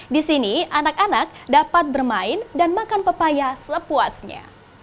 di sini anak anak dapat bermain dan makan pepaya sepuasnya